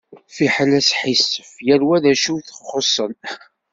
Fiḥel asḥisef, yal wa d acu i t-ixuṣen.